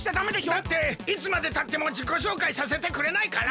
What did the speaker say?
だっていつまでたってもじこしょうかいさせてくれないから。